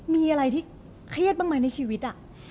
มีอะไรที่เครียดบ้างไหมในชีวิต